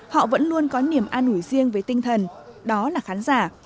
họ vẫn luôn có niềm an ủi riêng với tinh thần đó là khán giả